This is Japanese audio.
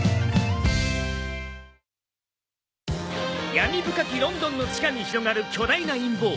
闇深きロンドンの地下に広がる巨大な陰謀。